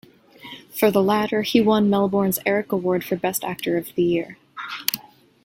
For the latter, he won Melbourne's Erik Award for best actor of the year.